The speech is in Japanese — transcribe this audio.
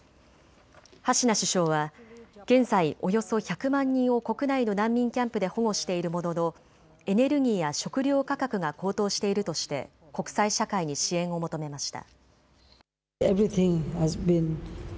ハシナ首相は現在およそ１００万人を国内の難民キャンプで保護しているもののエネルギーや食料価格が高騰しているとして国際社会に支援を求めました。